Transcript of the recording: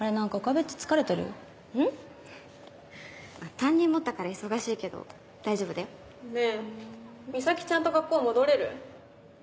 担任持ったから忙しいけど大丈夫だよ。ねぇ岬ちゃんと学校戻れる？